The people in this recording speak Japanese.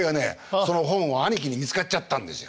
その本を兄貴に見つかっちゃったんですよ。